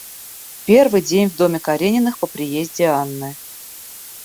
Первый день в доме Карениных по приезде Анны.